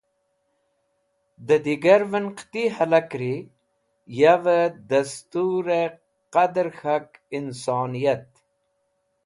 Dẽ digarvẽn qẽti hẽlakri yavẽ dẽsturẽ qadẽr kh̃ak insoniyat.